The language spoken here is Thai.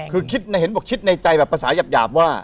คือคิดนะเห็นบอกคิดในใจแบบภาษาหยาบว่า